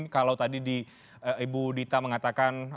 kalau tadi ibu wadidita mengatakan